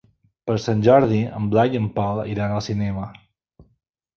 Per Sant Jordi en Blai i en Pol iran al cinema.